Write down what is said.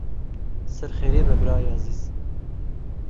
Ser xêrê be birayê ezîz.